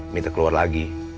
minta keluar lagi